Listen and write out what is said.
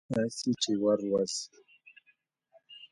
تاسې چې یوه ورځ